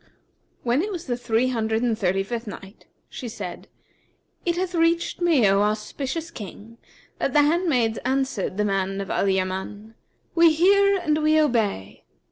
When it was the Three Hundred and Thirty fifth Night, She said, It hath reached me, O auspicious King, that the handmaids answered the man of Al Yaman, "'We hear and we obey!'